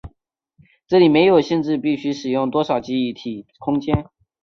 这里没有限制必须使用多少记忆体空间。